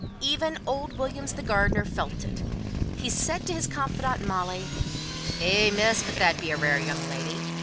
Even old Williams, the gardener, felt it; he said to his confidante, Molly "Eh, miss, but that be a rare young lady!